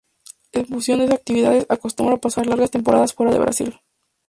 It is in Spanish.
En función de esas actividades, acostumbra a pasar largas temporadas fuera de Brasil.